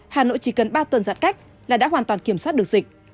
hà nội chỉ cần ba tuần giãn cách là đã hoàn toàn kiểm soát được dịch